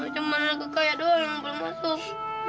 cuman aku kaya doang gak boleh masuk